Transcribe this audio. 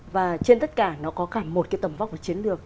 và trên tất cả nó có cả một cái tầm vóc và chiến lược